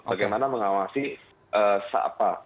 bagaimana mengawasi seapa apa peristiwa